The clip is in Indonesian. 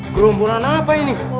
kerumpulan apa ini